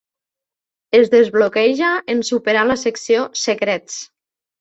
Es desbloqueja en superar la secció "Secrets".